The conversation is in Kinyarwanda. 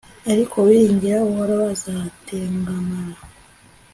ariko uwiringira uhoraho azatengamara